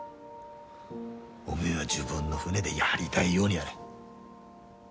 おめえは自分の船でやりだいようにやれ。